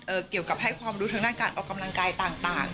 เกี่ยวกับให้ความรู้ทางด้านการออกกำลังกายต่าง